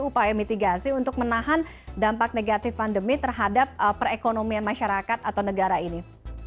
upaya mitigasi untuk menahan dampak negatif pandemi terhadap perekonomian masyarakat atau negara ini